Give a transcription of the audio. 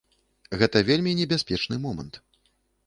Гэта вельмі небяспечны момант.